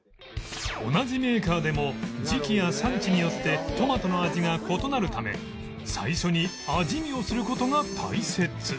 同じメーカーでも時期や産地によってトマトの味が異なるため最初に味見をする事が大切